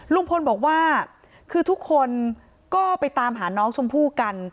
ลุงพลบอกว่าคือทุกคนก็ไปตามหาน้องชมพู่กัน